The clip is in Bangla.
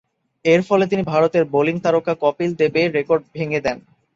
এরফলে তিনি ভারতের বোলিং তারকা কপিল দেবের রেকর্ড ভেঙ্গে দেন।